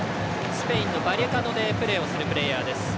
スペインでプレーをするプレーヤーです。